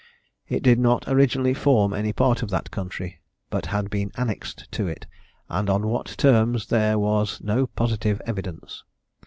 It did not originally form any part of that country, but had been annexed to it; and on what terms there was no positive evidence.